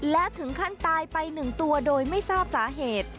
และถึงขั้นตายไป๑ตัวโดยไม่ทราบสาเหตุ